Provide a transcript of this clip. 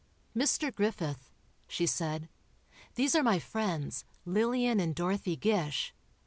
"Mr. Griffith," she said, "these are my friends, Lillian and Dorothy Gish.